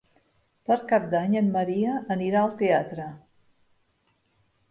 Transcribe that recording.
Per Cap d'Any en Maria anirà al teatre.